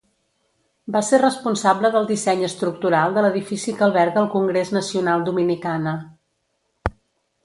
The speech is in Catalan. Va ser responsable del disseny estructural de l'edifici que alberga el Congrés Nacional Dominicana.